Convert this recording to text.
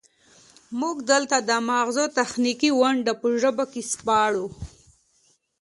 موږ دلته د مغزو تخنیکي ونډه په ژبه کې سپړو